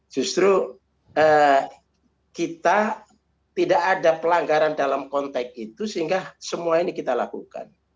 justru kita tidak ada pelanggaran dalam konteks itu sehingga semua ini kita lakukan